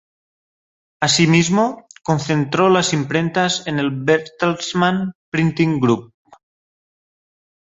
Asimismo, concentró las imprentas en el Bertelsmann Printing Group.